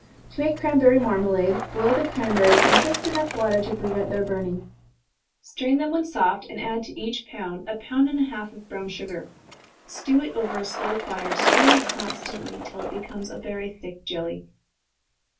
To make cranberry marmalade, boil the cranberries in just water enough to prevent their burning. Strain them when soft, and add to each pound a pound and a half of brown sugar. Stew it over a slow fire, stirring it constantly, till it becomes very thick jelly.